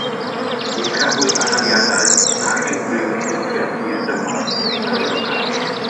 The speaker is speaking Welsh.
Ni chafwyd anafiadau nac unrhyw effeithiau hirdymor arwyddocaol